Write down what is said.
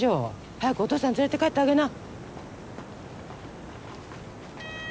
早くお父さん連れて帰ってあげな。